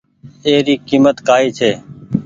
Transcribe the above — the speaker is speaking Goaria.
اي ري ڪيمت ڪآئي ڇي۔